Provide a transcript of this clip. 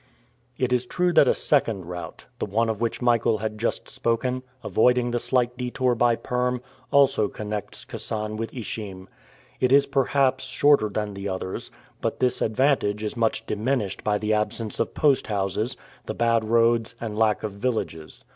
It is true that a second route the one of which Michael had just spoken avoiding the slight detour by Perm, also connects Kasan with Ishim. It is perhaps shorter than the other, but this advantage is much diminished by the absence of post houses, the bad roads, and lack of villages.